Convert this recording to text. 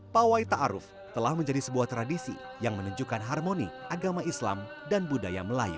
pawai ita'aruf telah menjadi sebuah tradisi yang menunjukkan harmoni agama islam dan budaya melayu